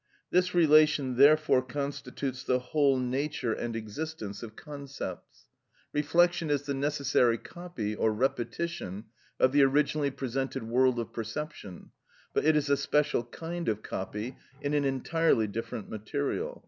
This relation therefore constitutes the whole nature and existence of concepts. Reflection is the necessary copy or repetition of the originally presented world of perception, but it is a special kind of copy in an entirely different material.